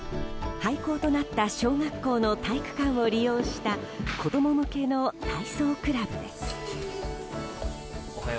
廃校となった小学校の体育館を利用した子供向けの体操クラブです。